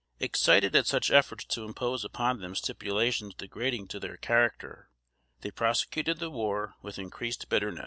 Excited at such efforts to impose upon them stipulations degrading to their character, they prosecuted the war with increased bitterness.